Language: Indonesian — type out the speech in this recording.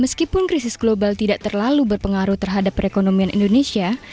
meskipun krisis global tidak terlalu berpengaruh terhadap perekonomian indonesia